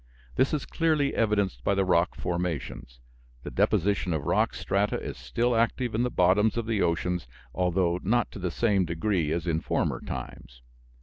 This is clearly evidenced by the rock formations. The deposition of rock strata is still active in the bottoms of the oceans, although not to the same degree as in former times.